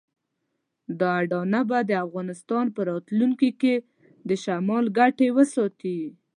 دا اډانه به د افغانستان په راتلونکي کې د شمال ګټې وساتي.